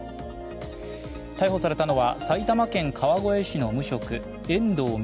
逮捕されたのは埼玉県川越市の無職・遠藤実